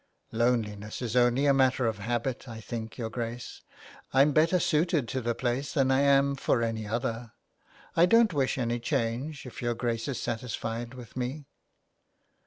'' Loneliness is only a matter of habit. I think, your Grace, I'm better suited to the place than I am for any other. I don't wish any change, if your Grace is satisfied with me.''